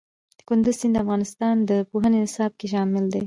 کندز سیند د افغانستان د پوهنې نصاب کې شامل دي.